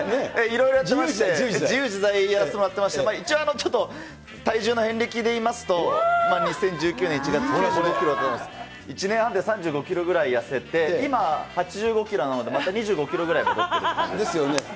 いろいろやってまして、自由自在やらせてもらってまして、一応ちょっと、体重の遍歴で言いますと、２０１９年１月、９５キロで、１年半で３５キロぐらい痩せて、今、８５キロなので、また２５キですよね。